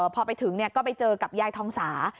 พอไปถึงก็ไปเจอกับยายทองสา